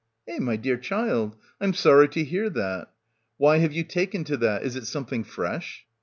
"Eh ! my dear child ! I'm sorry to hear that. Why have ye taken to that? Is it something fresh?"